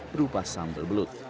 berupa sambal belut